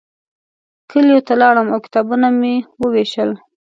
کلیو ته لاړم او کتابونه مې ووېشل.